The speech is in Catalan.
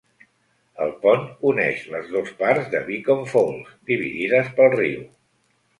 El pont uneix les dos parts de Beacon Falls dividides pel riu.